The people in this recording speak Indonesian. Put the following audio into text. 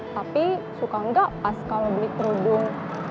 tapi suka nggak pas kalau beli kerudung